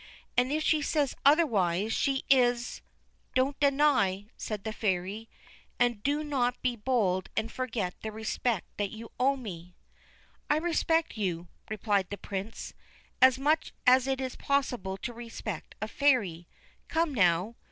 And if she says otherwise, she is ' 1 Do not deny,' said the Fairy, ' and do not be bold and forget the respect that you owe me.' 86 THE BLUE BIRD ' I respect you,' replied the Prince, ' as much as it is possible to respect a fairy. Come, now.